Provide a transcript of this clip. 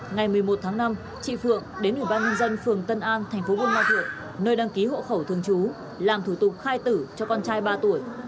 ngày một mươi một tháng năm chị phượng đến ủy ban nhân dân phường tân an tp buôn ma thuột nơi đăng ký hộ khẩu thường chú làm thủ tục khai tử cho con trai ba tuổi